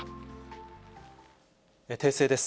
訂正です。